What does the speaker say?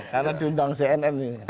karena cundang cnn ini